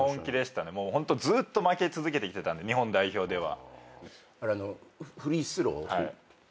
ずーっと負け続けてきてたんで日本代表では。